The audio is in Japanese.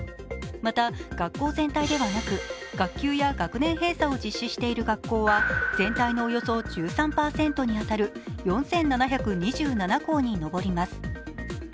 また学校全体ではなく、学級や学年閉鎖を実施している学校は全体のおよそ１３％に当たる４７２７校にのぼります。